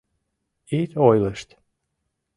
Ит ойлышт».